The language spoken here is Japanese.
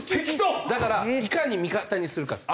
だからいかに味方にするかです。